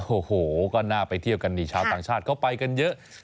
โอ้โหก็น่าไปเที่ยวกันนี่ชาวต่างชาติเข้าไปกันเยอะ